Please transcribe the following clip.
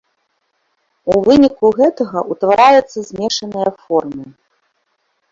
У выніку гэтага ўтвараецца змешаныя формы.